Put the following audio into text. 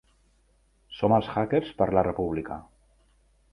Som els hackers per la república.